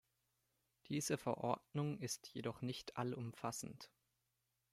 Diese Verordnung ist jedoch nicht allumfassend.